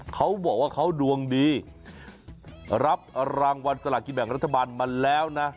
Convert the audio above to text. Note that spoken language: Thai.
เขาบอกว่าเขาดวงดีรับรางวัลสละกินแบ่งรัฐบาลมาแล้วนะ